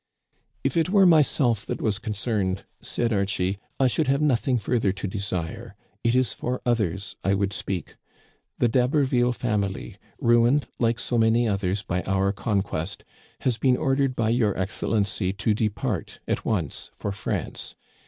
"* If it were myself that was concerned,' said Archie, *I should have nothing further to desire. It is for others I would speak. The D'Haberville family, ruined. Digitized by VjOOQIC 224 ^^^ CANADIANS OF OLD, like so many others, by our conquest, has been ordered by Your Excellency to depart at once for France.